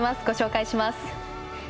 ご紹介します。